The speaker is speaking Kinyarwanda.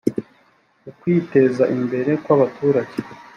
ukwiteza imbere kw abaturage